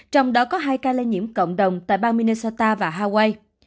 trong đó có hai ca lây nhiễm cộng đồng tại bang minusta và hawaii